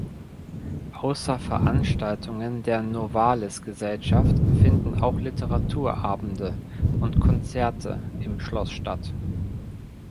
Außer Veranstaltungen der Novalis-Gesellschaft finden auch Literatur-Abende und Konzerte im Schloss statt.